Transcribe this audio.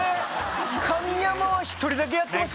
神山は一人だけやってましたよ。